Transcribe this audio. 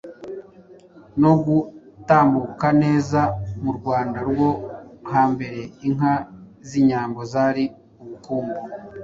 no gutambuka neza Mu Rwanda rwo hambere inka z'inyambo zari ubukungu